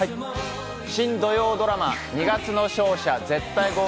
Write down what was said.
新土曜ドラマ『二月の勝者ー